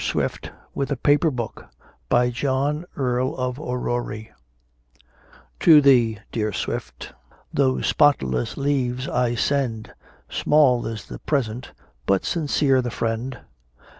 SWIFT, WITH A PAPER BOOK, BY JOHN, EARL OF ORRERY To thee, Dear Swift, those spotless leaves I send; Small is the present, but sincere the friend.